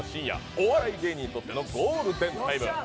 お笑い芸人にとってのゴールデンタイム。